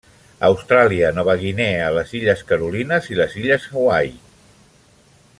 Austràlia, Nova Guinea, les illes Carolines i les illes Hawaii.